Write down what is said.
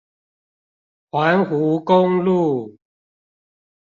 環湖公路